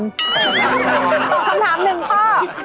คำถามหนึ่งข้อ